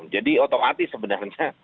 jadi otomatis sebenarnya